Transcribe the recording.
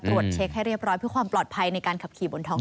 เช็คให้เรียบร้อยเพื่อความปลอดภัยในการขับขี่บนท้อง